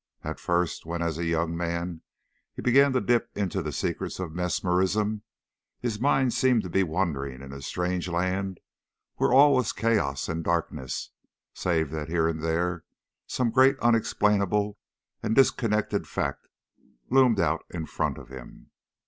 At first, when as a young man he began to dip into the secrets of mesmerism, his mind seemed to be wandering in a strange land where all was chaos and darkness, save that here and there some great unexplainable and disconnected fact loomed out in front of him.